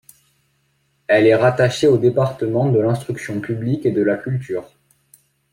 Elle est rattachée au département de l’instruction publique et de la culture.